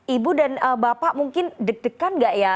ibu dan bapak mungkin deg degan nggak ya